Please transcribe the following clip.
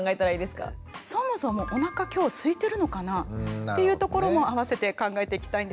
そもそもおなか今日すいてるのかな？っていうところもあわせて考えていきたいんですよね。